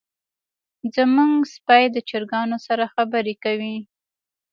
زمونږ سپی د چرګانو سره خبرې کوي.